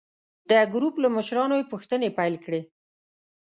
د ګروپ له مشرانو یې پوښتنې پیل کړې.